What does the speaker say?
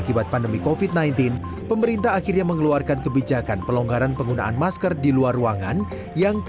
kebijakan pemerintah ini pun menuai berbagai tanggapan masyarakat